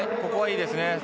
ここはいいですね。